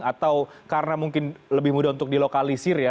atau karena mungkin lebih mudah untuk di lokalisir ya